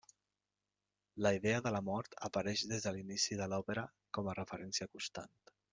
La idea de la mort apareix des de l'inici de l'òpera com a referència constant.